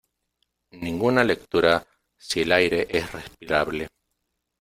Ninguna lectura si el aire es respirable.